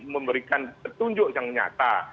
memberikan petunjuk yang nyata